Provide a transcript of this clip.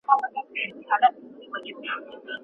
ته به لا ویده یې ستا له ښار څخه به تللی یم